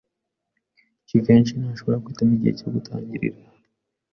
Jivency ntashobora guhitamo igihe cyo gutangirira.